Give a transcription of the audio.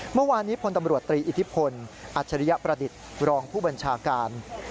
เมื่อวานนี้พลตำรวจตรีอิทธิพลอัจฉริยประดิษฐ์รองผู้บัญชาการ